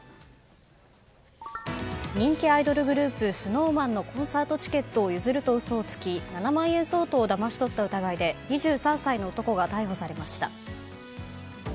人気アイドルグループＳｎｏｗＭａｎのコンサートチケットを譲ると嘘をつき７万円相当をだまし取った疑いで２３歳の男が逮捕されました。